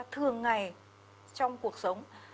thường ngày trong cuộc sống